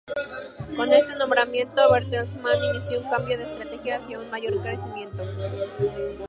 Con este nombramiento, Bertelsmann inició un cambio de estrategia hacia un mayor crecimiento.